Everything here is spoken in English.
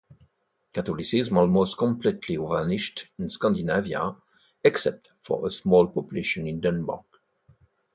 Catholicism almost completely vanished in Scandinavia, except for a small population in Denmark.